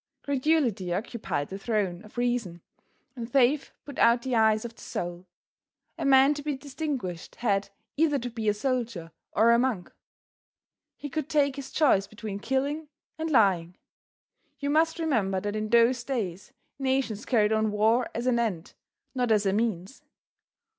Credulity occupied the throne of reason and faith put out the eyes of the soul. A man to be distinguished had either to be a soldier or a monk. He could take his choice between killing and lying. You must remember that in those days nations carried on war as an end, not as a means.